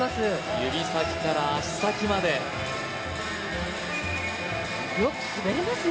指先から足先までよく滑れますね